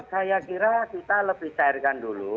saya kira kita lebih cairkan dulu